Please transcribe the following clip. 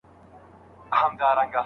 ساده ژبه ستاسو پیغام په چټکۍ سره رسوي.